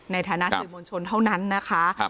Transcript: ในฐานะสื่อมวลชนเท่านั้นนะคะ